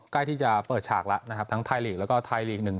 ใกล้ที่จะเปิดฉากแล้วนะครับทั้งไทยลีกแล้วก็ไทยลีกหนึ่ง